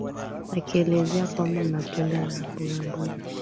akielezea kwamba matunda na mbogamboga